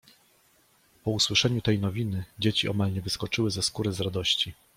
Po usłyszeniu tej nowiny dzieci omal nie wyskoczyły ze skóry z radości.